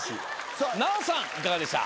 さあナヲさんいかがでした？